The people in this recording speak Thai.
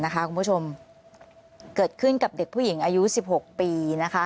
เกิดขึ้นกับเด็กผู้หญิงอายุ๑๖ปี